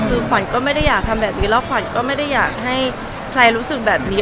คือขวัญก็ไม่ได้อยากทำแบบนี้แล้วขวัญก็ไม่ได้อยากให้ใครรู้สึกแบบนี้